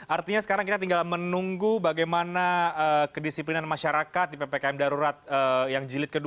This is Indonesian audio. artinya sekarang kita tinggal menunggu bagaimana kedisiplinan masyarakat di ppkm darurat yang jilid kedua